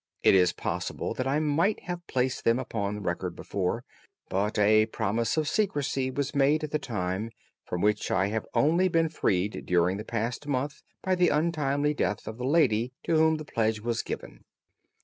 It is possible that I might have placed them upon record before, but a promise of secrecy was made at the time, from which I have only been freed during the last month by the untimely death of the lady to whom the pledge was given.